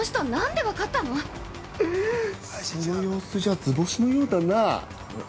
その様子じゃ、図星のようだな。